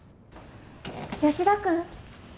吉田君。